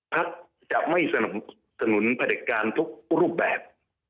พรรคจะไม่สนุนบริจารณ์ทุกรูปแบบ